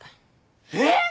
えっ！？